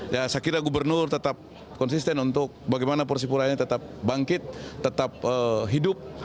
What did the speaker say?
saya kira gubernur tetap konsisten untuk bagaimana persipura ini tetap bangkit tetap hidup